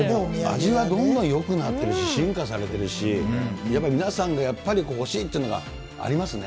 味はどんどんよくなってるし、進化されてるし、やっぱり皆さんがやっぱりおいしいというのがありますね。